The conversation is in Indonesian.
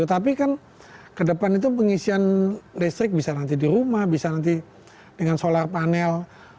tapi kan ke depan itu pengisian listrik bisa nanti di rumah bisa nanti dengan solar panel